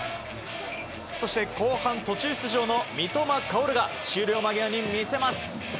そして後半途中出場の三笘薫が終了間際に見せます。